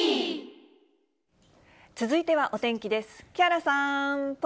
続いてはお天気です。